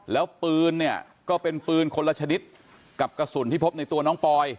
แล้วปืนเนี่ยก็เป็นปืนคนละชนิดกับกระสุนที่พบในตัวน้องปอย